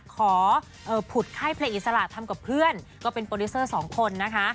ขอผุดค่ายเพลงอิสระทำกับเพื่อนก็เป็นโปรดิวเซอร์สองคนนะคะ